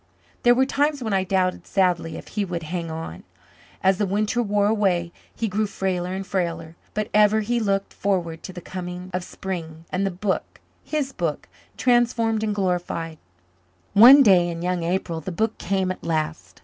There were times when I doubted sadly if he would "hang on." As the winter wore away he grew frailer and frailer. But ever he looked forward to the coming of spring and "the book," his book, transformed and glorified. One day in young April the book came at last.